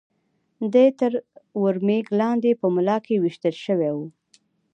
دی تر ور مېږ لاندې په ملا کې وېشتل شوی و.